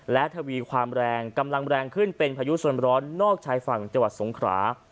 และทวีความแรงกำลังแรงขึ้นเป็นพายุส่วนร้อนนอกชายฝั่งจังหวัดสงขรา